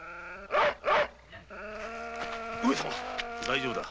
大丈夫だ！